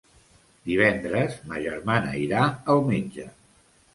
Divendres ma germana irà al metge.